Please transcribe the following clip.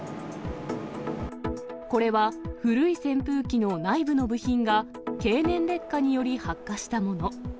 これは古い扇風機の内部の部品が、経年劣化により発火したもの。